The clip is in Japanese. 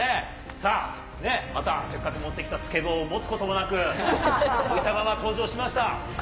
さあ、ねぇ、またせっかく持ってきたスケボーを持つことなく、登場しました。